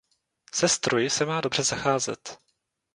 Se stroji se má dobře zacházet.